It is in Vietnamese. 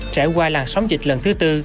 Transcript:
trải qua làn sóng dịch lần thứ tư